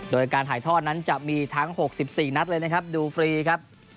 โดยการถ่ายทอดนั้นจะมีทั้ง๖๔นัดเลยนะครับดูฟรีครับ